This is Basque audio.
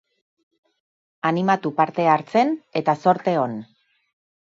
Animatu parte hartzen, eta zorte on!